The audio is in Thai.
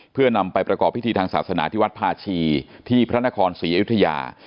เพื่อนำไปประกอบพิธีทางศาสนาที่วัดภาชีที่พระนครศรีอยุธยา